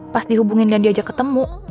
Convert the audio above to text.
pas dihubungin dan diajak ketemu